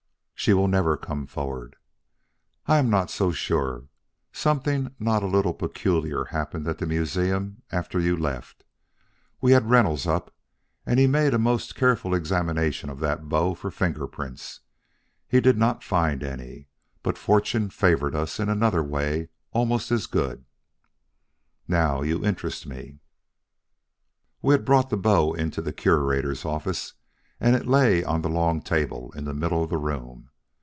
"She will never come forward." "I am not so sure. Something not a little peculiar happened at the museum after you left. We had Reynolds up, and he made a most careful examination of that bow for finger prints. He did not find any. But fortune favored us in another way almost as good." "Now you interest me." "We had brought the bow into the Curator's office, and it lay on the long table in the middle of the room.